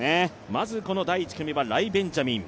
まず第１組はライ・ベンジャミン。